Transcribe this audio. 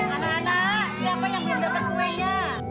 anak anak siapa yang belum dapat kuenya